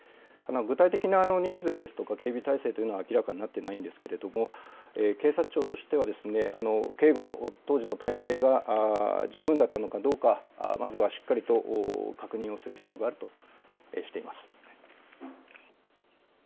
具体的な人数ですとか警備体制というのは明らかになっていないんですけれども警察庁としては警護の当時の体制が十分だったのかどうか、まずはしっかりと確認をする必要があるとしています。